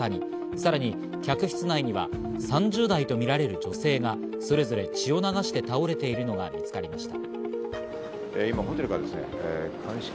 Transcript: さらに客室内には３０代とみられる女性がそれぞれ血を流して倒れているのが見つかりました。